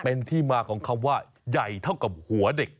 เป็นที่มาของคำว่าใหญ่เท่ากับหัวเด็ก